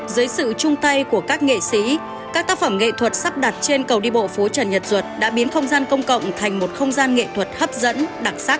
dưới sự chung tay của các nghệ sĩ các tác phẩm nghệ thuật sắp đặt trên cầu đi bộ phố trần nhật duật đã biến không gian công cộng thành một không gian nghệ thuật hấp dẫn đặc sắc